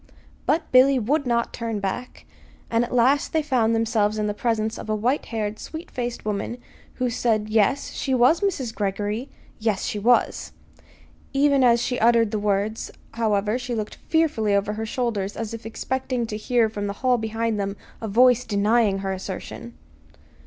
But Billy would not turn back, and at last they found themselves in the presence of a white haired, sweet faced woman who said yes, she was Mrs. Greggory; yes, she was. Even as she uttered the words, however, she looked fearfully over her shoulders as if expecting to hear from the hall behind them a voice denying her assertion.